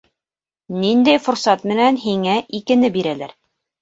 — Ниндәй форсат менән һиңә икене бирәләр?